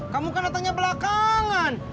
kamu kan datangnya belakangan